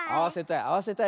あわせたい。